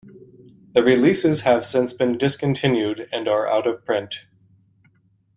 These releases have since been discontinued and are out of print.